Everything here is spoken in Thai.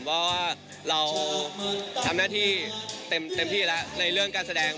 เพราะว่าเราทำหน้าที่เต็มที่แล้วในเรื่องการแสดง